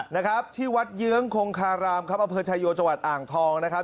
นะครับที่วัดเยื้องคงคารามครับอำเภอชายโยจังหวัดอ่างทองนะครับ